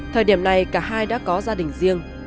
thời điểm này cả hai đã có gia đình riêng